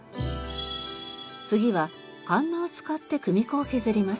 次はかんなを使って組子を削ります。